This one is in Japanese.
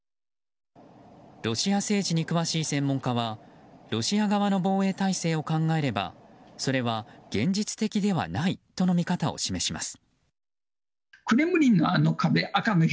ロシア政治に詳しい専門家はロシア側の防衛態勢を考えればそれは現実的ではないとの見方を示します。